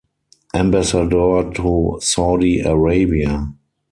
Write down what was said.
Ambassador to Saudi Arabia.